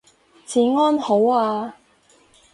治安好啊